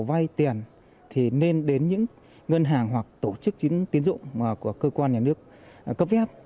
vay tiền thì nên đến những ngân hàng hoặc tổ chức tiến dụng của cơ quan nhà nước cấp phép